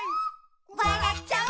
「わらっちゃう」